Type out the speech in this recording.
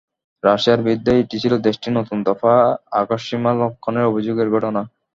রাশিয়ার বিরুদ্ধে এটি ছিল দেশটির নতুন দফা আকাশসীমা লঙ্ঘনের অভিযোগের ঘটনা।